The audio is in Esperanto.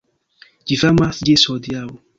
Ĝi famas ĝis hodiaŭ.